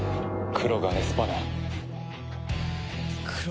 黒鋼スパナ。